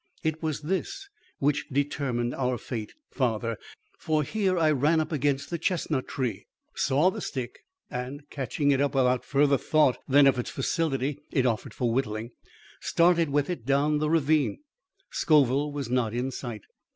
It was this which determined our fate, father, for here I ran up against the chestnut tree, saw the stick and, catching it up without further thought than of the facility it offered for whittling, started with it down the ravine. Scoville was not in sight.